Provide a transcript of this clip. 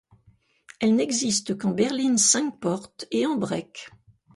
Elle n'existe qu'en berline cinq-portes et en break.